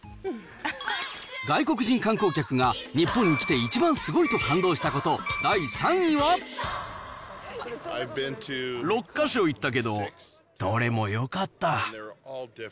外国人観光客が日本に来て一番すごいと感動したこと、第３位６か所行ったけど、どれもよかった。